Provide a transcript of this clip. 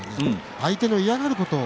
相手の嫌がること